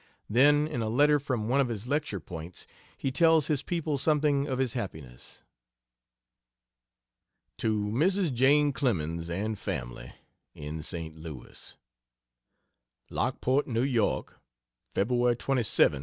Then in a letter from one of his lecture points he tells his people something of his happiness. To Mrs. Jane Clemens and family, in St. Louis: LOCKPORT, N. Y. Feb. 27, 1868.